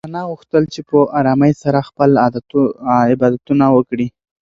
انا غوښتل چې په ارامۍ سره خپل عبادتونه وکړي.